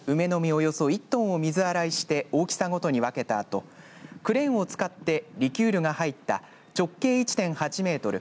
およそ１トンを水洗いして大きさごとに分けたあとクレーンを使ってリキュールが入った直径１．８メートル